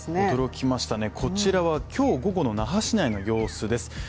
驚きましたね、こちらは今日午後の那覇市内の様子です。